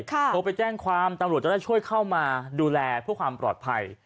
โทรไปแจ้งความตำรวจจะได้ช่วยเข้ามาดูแลเพื่อความปลอดภัย